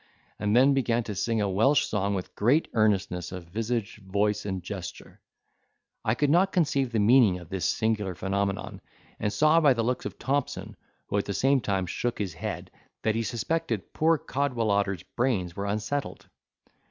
and then began to sing a Welsh song with great earnestness of visage, voice, and gesture. I could not conceive the meaning of this singular phenomenon, and saw by the looks of Thompson, who at the same time shook his head, that he suspected poor Cadwallader's brains were unsettled.